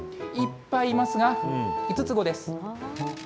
いっぱいいますが、５つ子です。